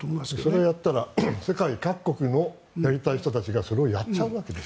それをやったら世界各国のやりたい人たちがそれをやっちゃうわけです。